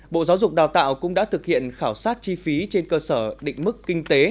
bộ giáo dục đào tạo cũng đã thực hiện khảo sát chi phí trên cơ sở định mức kinh tế